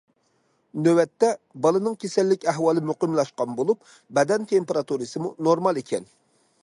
نۆۋەتتە، بالىنىڭ كېسەللىك ئەھۋالى مۇقىملاشقان بولۇپ، بەدەن تېمپېراتۇرىسىمۇ نورمال ئىكەن.